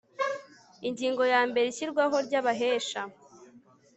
Ingingo ya mbere Ishyirwaho ry Abahesha